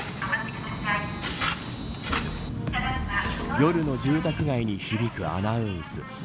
夜の住宅街に響くアナウンス。